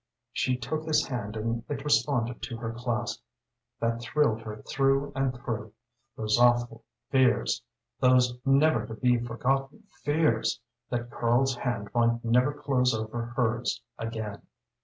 She took his hand and it responded to her clasp. That thrilled her through and through. Those awful fears those never to be forgotten fears that Karl's hand might never close over hers again!